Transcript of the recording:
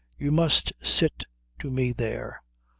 You must sit to me there."